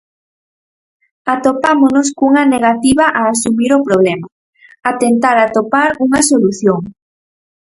Atopámonos cunha negativa a asumir o problema, a tentar atopar unha solución.